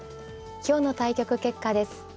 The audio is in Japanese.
今日の対局結果です。